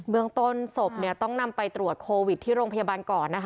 เมืองต้นศพต้องนำไปตรวจโควิดที่โรงพยาบาลก่อนนะคะ